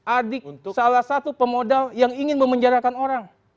adik untuk salah satu pemodal yang ingin memenjarakan orang